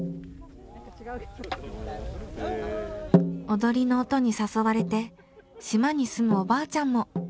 踊りの音に誘われて島に住むおばあちゃんも。